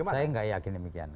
saya tidak yakin demikian